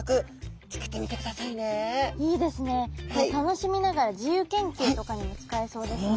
楽しみながら自由研究とかにも使えそうですもんね。